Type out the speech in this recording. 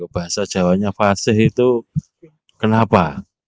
bahasa jawanya faseh itu kenapa